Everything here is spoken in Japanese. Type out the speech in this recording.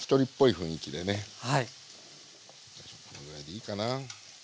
このぐらいでいいかな。